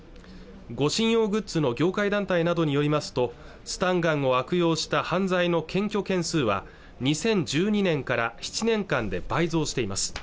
護身用グッズの業界団体などによりますとスタンガンを悪用した犯罪の検挙件数は２０１２年から７年間で倍増しています